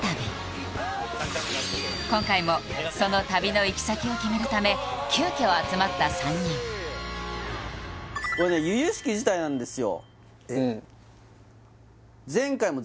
今回もその旅の行き先を決めるため急きょ集まった３人これね由々しき事態なんですよ